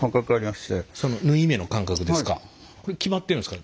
これ決まってるんですか？